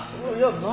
何？